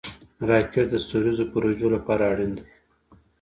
راکټ د ستوریزو پروژو لپاره اړین دی